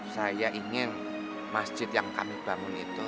saya ingin masjid yang kami bangun itu